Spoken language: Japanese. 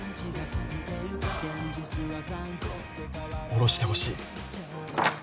堕ろしてほしい